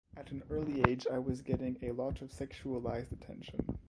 At an early age I was getting a lot of sexualized attention.